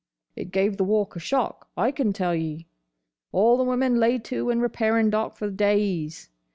It gave the Walk a shock, I can tell ye. All the women lay to in repairing dock for days.